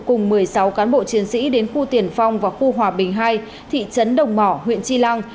cùng một mươi sáu cán bộ chiến sĩ đến khu tiền phong và khu hòa bình hai thị trấn đồng mỏ huyện tri lăng